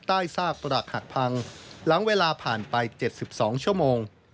ซากปรักหักพังหลังเวลาผ่านไป๗๒ชั่วโมง